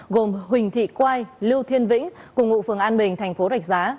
gồm huỳnh thị quai lưu thiên vĩnh cùng ngụ phường an bình tp rạch giá